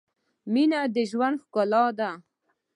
مینه د ژوند ښلا ده